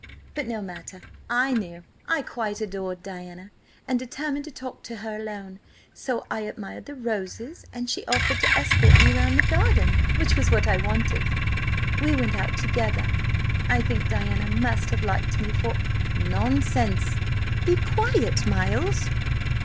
But no matter–I knew. I quite adored Diana, and determined to talk to her alone. So I admired the roses, and she offered to escort me round the garden, which was what I wanted. We went out together. I think Diana must have liked me, for—" "Nonsense!" "Be quiet, Miles!